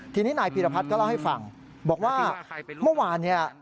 ทีนี้นายพีรพัฒน์ก็เล่าให้ฟังบอกว่าเมื่อวานเนี่ย